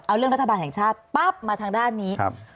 เอาเรื่องรัฐบาลแห่งชาติปั๊บมาทางด้านนี้